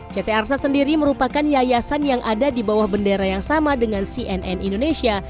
ct arsa sendiri merupakan yayasan yang ada di bawah bendera yang sama dengan cnn indonesia